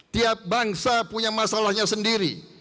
tiap bangsa punya masalahnya sendiri